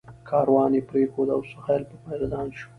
کاروان یې پرېښود او سهیل پر میدان شو.